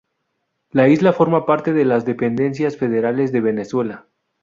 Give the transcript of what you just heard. La isla forma parte de las Dependencias Federales de Venezuela.